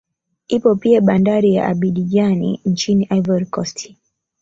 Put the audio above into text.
Ipo pia bandari ya Abidjan nchini Ivory Coast